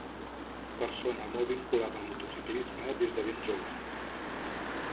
Persona molt vinculada al motociclisme des de ben jove.